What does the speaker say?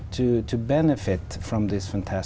cho người việt nam